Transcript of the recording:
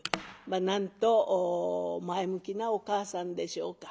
まっなんと前向きなお母さんでしょうか。